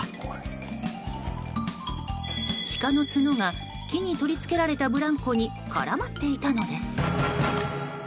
シカの角が木に取り付けられたブランコに絡まっていたのです。